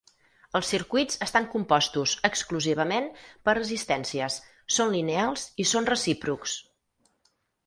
Els circuits estan compostos, exclusivament, per resistències, són lineals i són recíprocs.